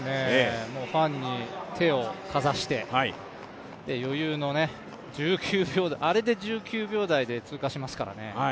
ファンに手をかざして余裕の１９秒台あれで１９秒台で通過しますからね